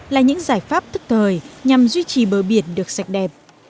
là những giải pháp thức thời nhằm duy trì bờ biển được sạch đẹp